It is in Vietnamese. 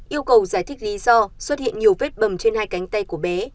yêu cầu giải thích lý do xuất hiện nhiều vết bầm trên hai cánh tay của bé